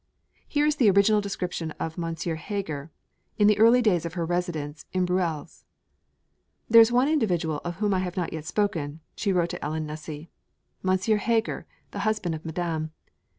Here is the original description of M. Heger, in the early days of her residence in Bruxelles: 'There is one individual of whom I have not yet spoken,' she wrote to Ellen Nussey, 'M. Heger, the husband of Madame.